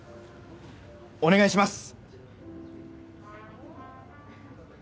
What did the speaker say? お願いします！